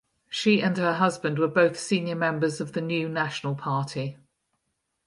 She and her husband were both senior members of the New National Party.